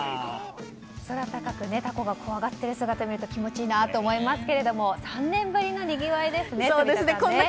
空高くたこが揚がっている姿を見ると気持ちいいなと思いますが３年ぶりのにぎわいですね。